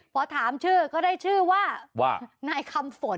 พอถามชื่อก็ได้ชื่อว่า